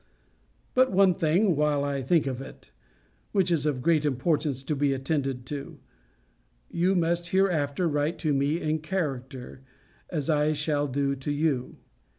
But one thing, while I think of it; which is of great importance to be attended to You must hereafter write to me in character, as I shall do to you.